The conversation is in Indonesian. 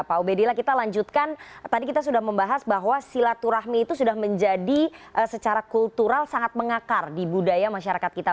pak ubedillah kita lanjutkan tadi kita sudah membahas bahwa silaturahmi itu sudah menjadi secara kultural sangat mengakar di budaya masyarakat kita